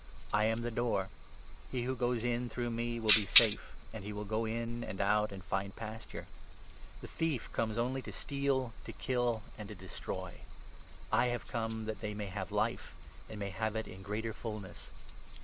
I am the Door ; he who goes in through me will be safe, and he will go in and out and find pasture. The thief comes only to steal, to kill, and to destroy ; I have come that they may have Life, and may have it in greater fulness.